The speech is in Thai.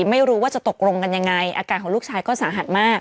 ไม่รู้ว่าจะตกลงกันยังไงอาการของลูกชายก็สาหัสมาก